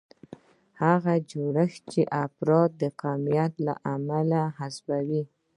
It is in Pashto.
هغه جوړښت چې افراد د قومیت له امله حذفوي.